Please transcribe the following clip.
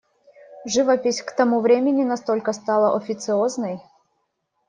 Живопись к тому времени настолько стала официозной.